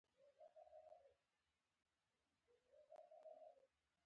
په داسې معرکه کې د کلام علم بېړنی ضرورت نه و.